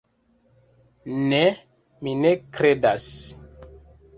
Ne, mi ne kredas.